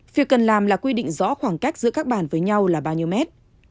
việc cần làm là quy định rõ khoảng cách giữa các bàn với nhau là bao nhiêu mét